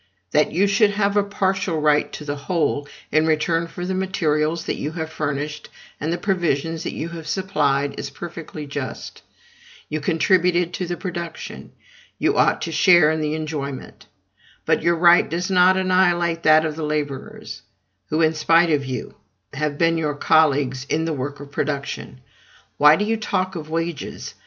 That you should have a partial right to the whole, in return for the materials that you have furnished and the provisions that you have supplied, is perfectly just. You contributed to the production, you ought to share in the enjoyment. But your right does not annihilate that of the laborers, who, in spite of you, have been your colleagues in the work of production. Why do you talk of wages?